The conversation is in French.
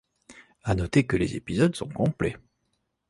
À noter que les épisodes sont complets.